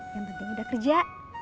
yang penting udah kerja